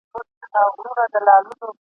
لکه څپو بې لاري کړې بېړۍ !.